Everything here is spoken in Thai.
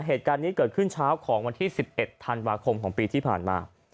เหตุการณ์นี้เกิดขึ้นเช้าของวันที่๑๑ธันวาคมของปีที่ผ่านมา